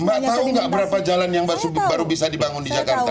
mbak tahu nggak berapa jalan yang baru bisa dibangun di jakarta